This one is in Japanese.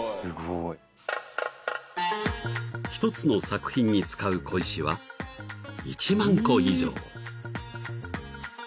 ［１つの作品に使う小石は１万個以上］